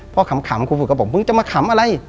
พอขำครับผมเหมือนจะมาขำอะไร